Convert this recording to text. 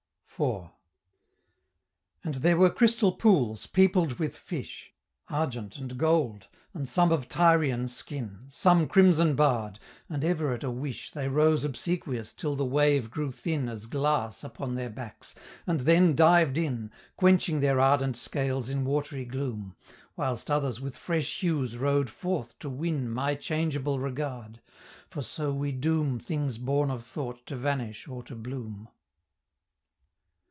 IV. And there were crystal pools, peopled with fish, Argent and gold; and some of Tyrian skin, Some crimson barr'd; and ever at a wish They rose obsequious till the wave grew thin As glass upon their backs, and then dived in, Quenching their ardent scales in watery gloom; Whilst others with fresh hues row'd forth to win My changeable regard, for so we doom Things born of thought to vanish or to bloom.